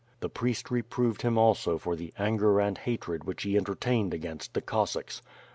The priest reproved him also for the anger and hatred which he entertained against the Cossacks.